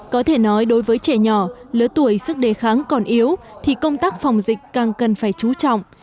có thể nói đối với trẻ nhỏ lứa tuổi sức đề kháng còn yếu thì công tác phòng dịch càng cần phải chú trọng